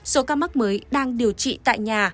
số ca mắc mới đang điều trị tại nhà